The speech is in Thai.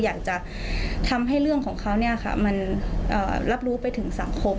อยากจะทำให้เรื่องของเขามันรับรู้ไปถึงสังคม